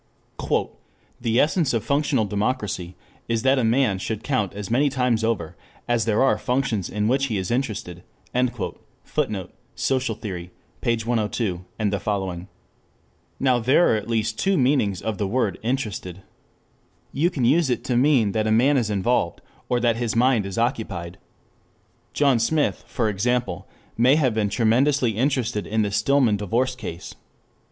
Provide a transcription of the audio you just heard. "The essence of functional democracy is that a man should count as many times over as there are functions in which he is interested." [Footnote: Social Theory, p. 102 et seq.] Now there are at least two meanings to the word interested. You can use it to mean that a man is involved, or that his mind is occupied. John Smith, for example, may have been tremendously interested in the Stillman divorce case.